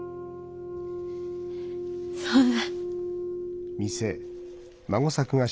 そんな。